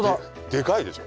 でかいでしょ？